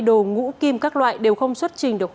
đồ ngũ kim các loại đều không xuất trình